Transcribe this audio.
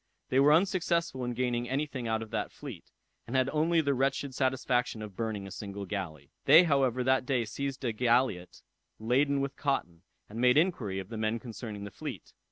They were unsuccessful in gaining any thing out of that fleet, and had only the wretched satisfaction of burning a single galley. They however that day seized a galliot laden with cotton, and made inquiry of the men concerning the fleet.